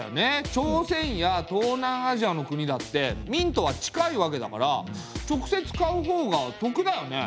朝鮮や東南アジアの国だって明とは近いわけだから直接買うほうが得だよね！